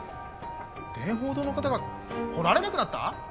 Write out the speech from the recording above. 電報堂の方が来られなくなった！？